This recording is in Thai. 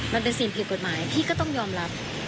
มันเป็นสิ่งผิดกฎหมายพี่ก็ต้องยอมรับ